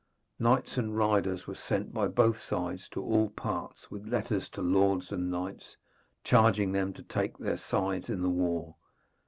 Knights and riders were sent by both sides into all parts, with letters to lords and knights, charging them to take their sides in the war.